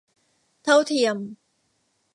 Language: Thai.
เท่าเทียม